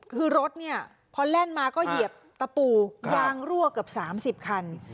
คือรถเนี่ยพอแล่นมาก็เหยียบตะปูยางรั่วเกือบ๓๐คัน